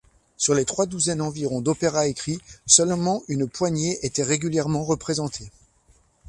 Sur les trois douzaines environ d'opéras écrits, seulement une poignée était régulièrement représentée.